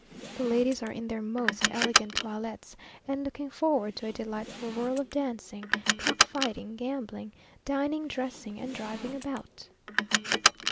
The ladies are in their most elegant toilets, and looking forward to a delightful whirl of dancing, cock fighting, gambling, dining, dressing, and driving about.